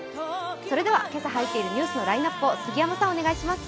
それでは今朝入っているニュースのラインナップを杉山さん、お願いします。